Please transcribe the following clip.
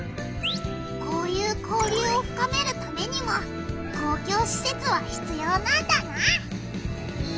こういう交流をふかめるためにも公共しせつはひつようなんだな。